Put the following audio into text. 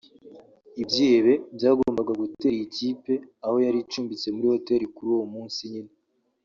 Ibyihebe byagombaga gutera iyi kipe aho yari icumbitse muri hoteli kuri uwo munsi nyine